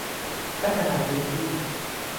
พัฒนาพื้นที่